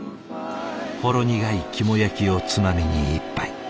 ほろ苦い肝焼きをつまみに１杯。